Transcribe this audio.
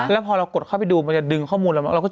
แล้วพอเรากดเข้าไปดูมันจะดึงข้อมูลเรา